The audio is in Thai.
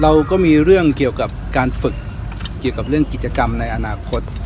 เราก็มีเรื่องเกี่ยวกับการฝึกเกี่ยวกับเรื่องกิจกรรมในอนาคต